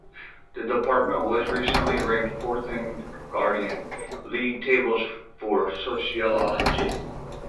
The Department was recently ranked fourth in Guardian league tables for Sociology.